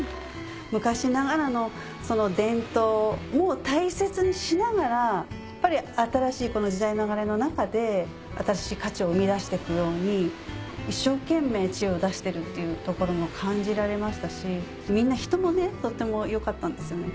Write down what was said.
昔ながらの伝統も大切にしながらやっぱり新しいこの時代の流れの中で新しい価値を生み出していくように一生懸命知恵を出してるっていうところも感じられましたしみんな人もとってもよかったんですよね。